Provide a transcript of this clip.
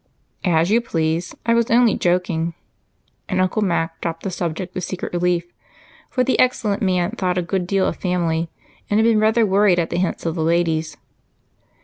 "As you please, I was only joking," and Uncle Mac dropped the subject with secret relief. The excellent man thought a good deal of family and had been rather worried at the hints of the ladies.